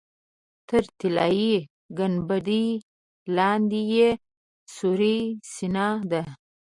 تر طلایي ګنبدې لاندې یې سورۍ سینه ده.